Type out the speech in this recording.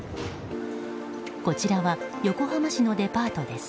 こちらは横浜市のデパートです。